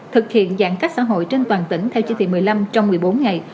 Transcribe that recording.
thực hiện giãn cách xã hội trên toàn tỉnh theo chỉ thị một mươi năm trong một mươi bốn ngày